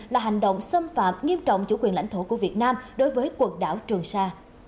là hành động xâm phạm nghiêm trọng chủ quyền lãnh thổ của việt nam đối với quần đảo trường sa